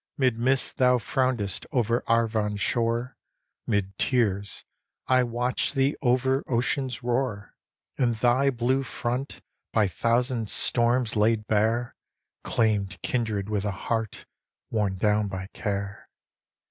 'Mid mists thou frownedst over Arvon's shore, 'Mid tears I watched thee over ocean's roar, And thy blue front, by thousand storms laid bare, Claimed kindred with a heart worn down by care.